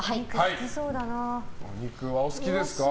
お肉はお好きですか？